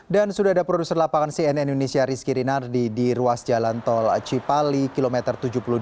dan sudah ada produser lapangan cnn indonesia rizky rinar di ruas jalan tol cipali kilometer tujuh puluh dua